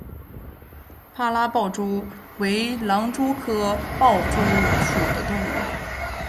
帕拉豹蛛为狼蛛科豹蛛属的动物。